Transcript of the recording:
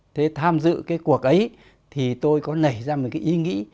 thế tham dự cái cuộc ấy thì tôi có nảy ra một cái ý nghĩ